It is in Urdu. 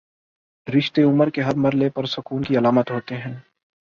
رشتے عمر کے ہر مر حلے پر سکون کی علامت ہوتے ہیں۔